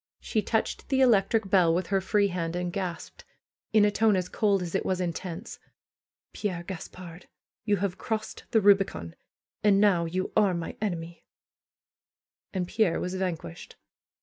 She touched the electric bell with her free hand and gasped, in a tone as cold as it was intense : Pierre Gaspard, you have crossed the Kubicon! And now you are my enemy And Pierre was vanquished.